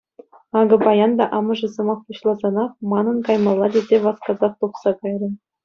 Акӑ паян та амӑшӗ сӑмах пуҫласанах манӑн каймалла тесе васкасах тухса кайрӗ.